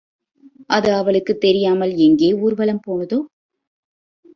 அது அவளுக்குத் தெரியாமல் எங்கே ஊர்வலம் போனதோ?